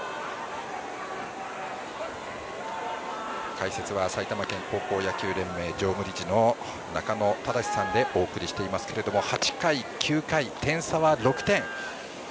解説は埼玉県高校野球連盟常務理事の中野忠司さんでお送りしていますけれども８回、９回、点差は６点。